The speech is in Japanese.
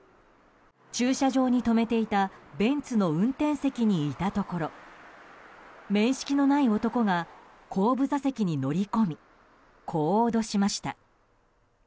駐車場に止めていたベンツの運転席にいたところ面識のない男が後部座席に乗り込みこう脅しました。